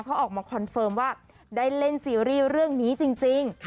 เขาออกมาคอนเฟิร์มว่าได้เล่นซีรีส์เรื่องนี้จริง